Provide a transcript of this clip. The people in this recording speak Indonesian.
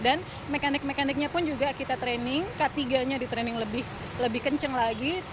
dan mekanik mekaniknya pun juga kita training k tiga nya di training lebih kenceng lagi